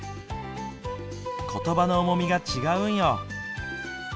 ことばの重みが違うんよ。